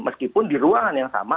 meskipun di ruangan yang sama